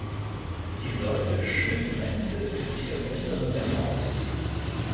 Isolde Schmitt-Menzel ist die Erfinderin der „Maus“.